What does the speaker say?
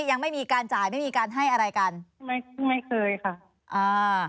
ยังไม่มีการจ่ายไม่มีการให้อะไรกันไม่ไม่เคยค่ะอ่า